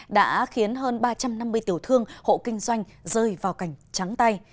đã khiến hơn ba trăm năm mươi tiểu thương hộ kinh doanh rơi vào cảnh trắng tay